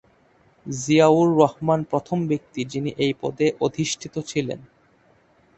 জিয়াউর রহমান প্রথম ব্যক্তি যিনি এই পদে অধিষ্ঠিত ছিলেন।